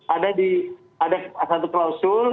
ada di satu klausul